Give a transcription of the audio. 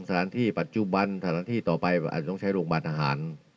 สถานที่ปัจจุบันสถานที่ต่อไปอาจจะต้องใช้โรงพยาบาลทหาร